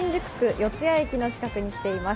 四ツ谷駅の近くに来ています。